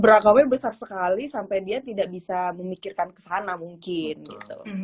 berangkatnya besar sekali sampai dia tidak bisa memikirkan kesana mungkin gitu